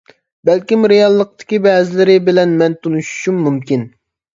بەلكىم رېئاللىقتىكى بەزىلىرى بىلەن مەن تونۇشۇشۇم مۇمكىن.